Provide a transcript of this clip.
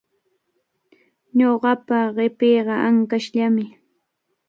Ñuqapa qipiiqa ankashllami.